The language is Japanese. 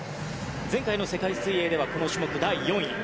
前回の世界水泳ではこの種目第４位。